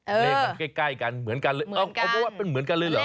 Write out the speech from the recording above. เลขมันใกล้กันเหมือนกันเลยเอาเพราะว่าเป็นเหมือนกันเลยเหรอ